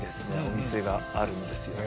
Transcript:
お店があるんですよ。